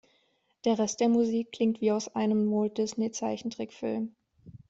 Der Rest der Musik klingt wie aus einem Walt-Disney-Zeichentrickfilm.